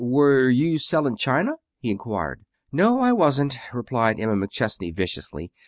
"Were you selling china?" he inquired. "No, I wasn't," replied Emma McChesney viciously.